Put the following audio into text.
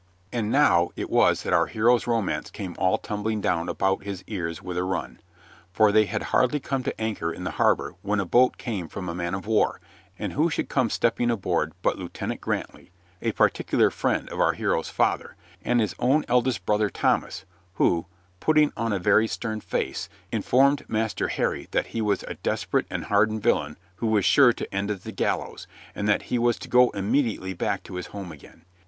And now it was that our hero's romance came all tumbling down about his ears with a run. For they had hardly come to anchor in the harbor when a boat came from a man of war, and who should come stepping aboard but Lieutenant Grantley (a particular friend of our hero's father) and his own eldest brother Thomas, who, putting on a very stern face, informed Master Harry that he was a desperate and hardened villain who was sure to end at the gallows, and that he was to go immediately back to his home again.